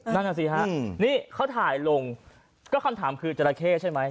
นั่นน่ะสิฮะนี่เขาถ่ายลงก็คำถามคือจราเข้ใช่ไหม